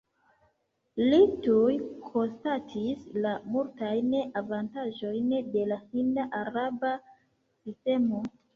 Li tuj konstatis la multajn avantaĝojn de la hind-araba sistemo.